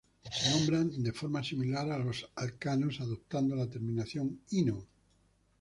Se nombran de forma similar a los alcanos adoptando la terminación "-ino".